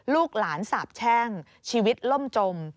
ลูกหลานสาบแช่งชีวิตล่มจม